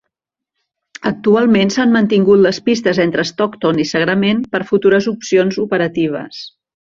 Actualment, s'han mantingut les pistes entre Stockton i Sagrament per a futures opcions operatives.